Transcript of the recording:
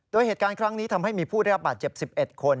โดยเหตุการณ์ครั้งนี้ทำให้มีผู้ได้รับบาดเจ็บ๑๑คน